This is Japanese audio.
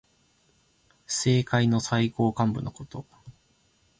政界の最高幹部のこと。